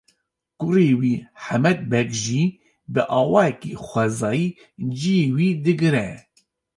Kurê wî Hemed Beg jî bi awayekî xwezayî ciyê wî digire.